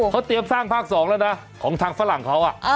เขาเตรียมสร้างภาค๒แล้วนะของทางฝรั่งเขา